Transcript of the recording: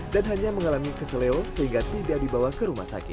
dan hanya mengalami keselio sehingga tidak dibawa ke rumah sakit